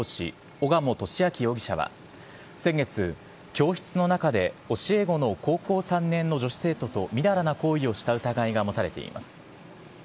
小鴨俊明容疑者は先月、教室の中で教え子の高校３年の女子生徒とみだらな行為をした疑いが持たれています。